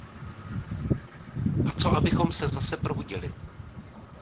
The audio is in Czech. A co abychom se zase probudili?